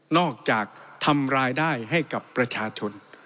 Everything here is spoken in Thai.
นอกจากทำรายได้ให้กับประชาชน